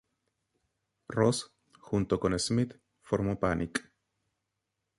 Ross, junto con Smith, formó Panic!